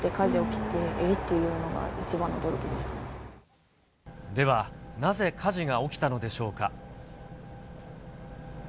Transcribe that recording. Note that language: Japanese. ってでは、なぜ火事が起きたのでしょうか。